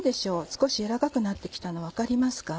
少しやわらかくなって来たの分かりますか？